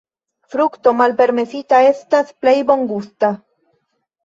Frukto malpermesita estas plej bongusta.